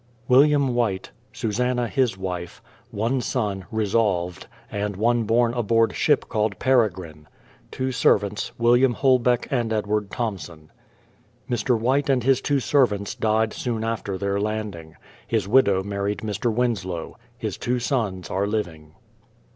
WILLIAM WHITE ; Susanna, his wife ; one son, Resolved ; and one born aboard ship called Peregrine ; two servants, WIL LIAM HOLBECK and EDWARD THOMSON. Mr. White and his two servants died soon after their landing. His widow married Mr. Winslow. His two sons are living.